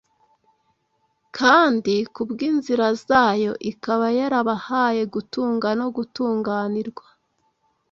kandi kubw’inzira zayo ikaba yarabahaye gutunga no gutunganirwa.